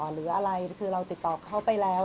หรืออะไรคือเราติดต่อเขาไปแล้ว